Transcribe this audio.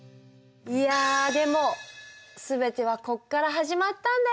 いやでも全てはここから始まったんだよね。